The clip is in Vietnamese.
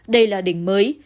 đây là đỉnh mới